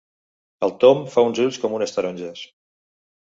El Tom fa uns ulls com unes taronges.